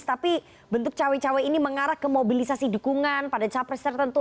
tapi bentuk cawe cawe ini mengarah ke mobilisasi dukungan pada capres tertentu